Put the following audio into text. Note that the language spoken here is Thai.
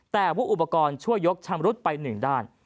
แต่ว่าอุปกรณ์ช่วยยกชำรุดไปหนึ่งด้าน